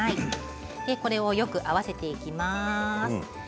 これをよく合わせていきます。